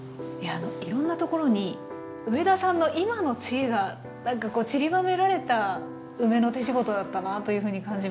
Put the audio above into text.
いろんなところに上田さんの今の知恵がちりばめられた梅の手仕事だったなというふうに感じました。